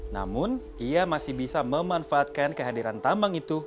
namun ia masih bisa memanfaatkan kehadiran tambang itu